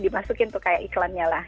dimasukin tuh kayak iklannya lah